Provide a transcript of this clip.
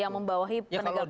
yang membawahi penegak hukum